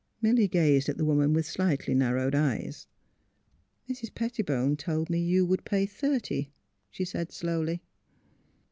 " Milly gazed at the woman with slightly nar rowed eyes. '' Mrs. Pettibone told me you would pay thirty," she said, slowly.